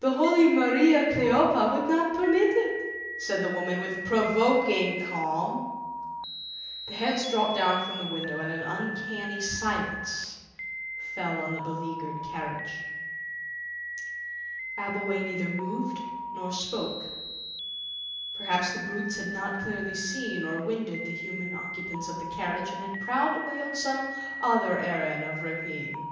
The holy Mariä Kleophä would not permit it," said the woman with provoking calm. The heads dropped down from the window and an uncanny silence fell on the beleaguered carriage. Abbleway neither moved nor spoke. Perhaps the brutes had not clearly seen or winded the human occupants of the carriage, and had prowled away on some other errand of rapine.